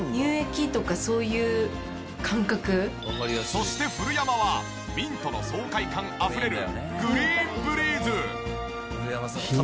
そして古山はミントの爽快感あふれるグリーンブリーズ。